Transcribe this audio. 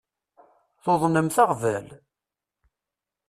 Tuḍnemt aɣbel?